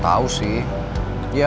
bisa bahagiain ibu aku